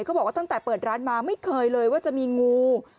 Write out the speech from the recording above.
เขาบอกว่าตั้งแต่เปิดร้านมาไม่เคยเลยว่าจะมีงู